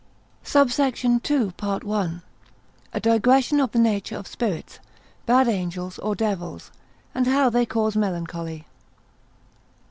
SUBSECT. II.—A Digression of the nature of Spirits, bad Angels, or Devils, and how they cause Melancholy.